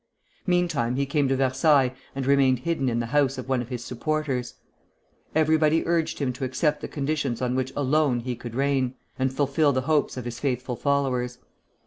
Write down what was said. Meantime he came to Versailles and remained hidden in the house of one of his supporters. Everybody urged him to accept the conditions on which alone he could reign, and fulfil the hopes of his faithful followers.